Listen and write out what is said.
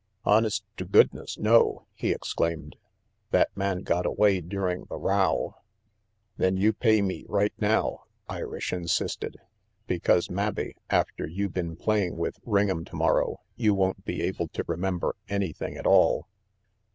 "Honest to goodness, no!" he exclaimed. "That man got away during the row " "Then you pay me right now," Irish insisted, "because mabbe, after you been playing with Ring'em tomorrow you won't be able to remember anything at all.